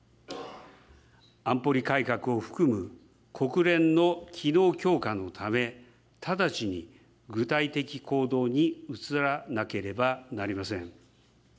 安保理改革を含む国連の機能強化のため、直ちに具体的行動に移らなければなりません。